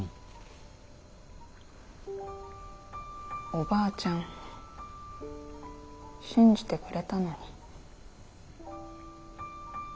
おばあちゃん信じてくれたのに。